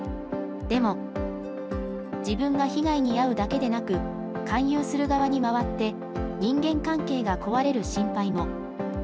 でも自分が被害に遭うだけでなく勧誘する側に回って人間関係が壊れる心配も。